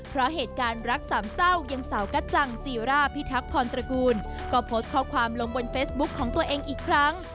เพราะเหตุการณ์รักสามเศร้ายังสาวกัจจังจีร่าพิทักษรตระกูลก็โพสต์ข้อความลงบนเฟซบุ๊คของตัวเองอีกครั้ง